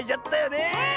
ねえ！